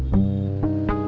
gue harus apa disini